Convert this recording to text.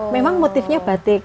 memang motifnya batik